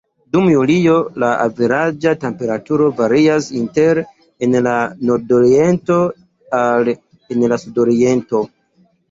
Dum julio, la averaĝa temperaturo varias inter en la nordoriento al en la sudokcidento.